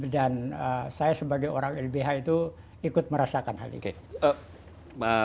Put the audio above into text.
dan saya sebagai orang lbh itu ikut merasakan hal itu